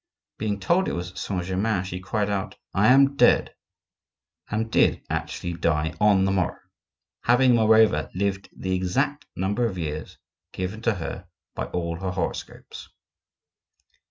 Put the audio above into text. Being told it was Saint Germain, she cried out, "I am dead!" and did actually die on the morrow,—having, moreover, lived the exact number of years given to her by all her horoscopes.